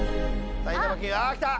埼玉県あっきた。